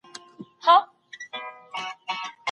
ذهن د چلن سرچينه ګڼل کېږي.